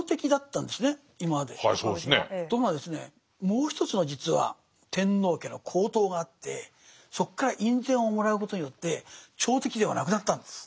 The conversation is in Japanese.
もうひとつの実は天皇家の皇統があってそこから院宣をもらうことによって朝敵ではなくなったんです。